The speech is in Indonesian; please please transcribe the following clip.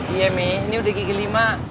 iya nih ini udah gigi lima